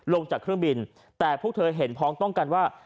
ลงจากเครื่องบินแต่พวกเธอเห็นพ้องต้องกันว่า